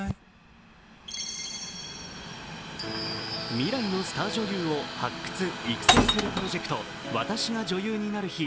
未来のスター女優を発掘・育成するプロジェクト、「『私が女優になる日＿』」